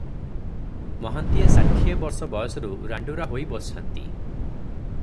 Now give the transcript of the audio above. ମହାନ୍ତିଏ ଷାଠିଏ ବର୍ଷ ବୟସରୁ ରାଣ୍ଡୁରା ହୋଇ ବସିଛନ୍ତି ।